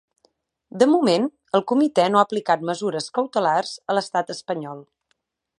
De moment, el comitè no ha aplicat mesures cautelars a l’estat espanyol.